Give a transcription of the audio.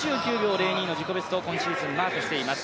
０２の自己ベストを今シーズンマークしています。